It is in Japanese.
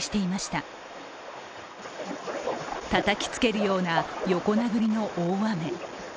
たたきつけるような横殴りの大雨。